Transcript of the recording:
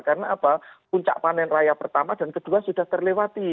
karena puncak panen raya pertama dan kedua sudah terlewati